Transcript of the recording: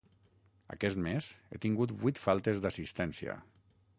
Aquest mes he tingut vuit faltes d'assistència.